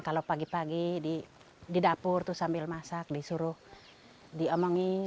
kalau pagi pagi di dapur itu sambil masak disuruh diomongin